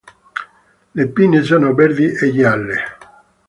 Le pinne sono verdi e gialle.